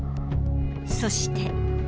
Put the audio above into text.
そして。